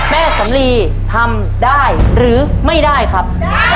สำลีทำได้หรือไม่ได้ครับ